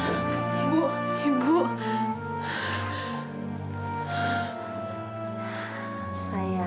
allah maha penyayang buat semua umatnya